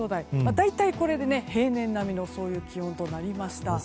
大体、これで平年並みの気温となりました。